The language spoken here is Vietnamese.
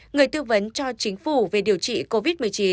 người tư vấn cho chính phủ về điều trị covid một mươi chín